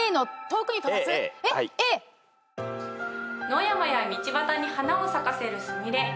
野山や道端に花を咲かせるスミレ。